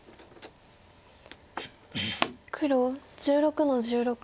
黒１６の十六。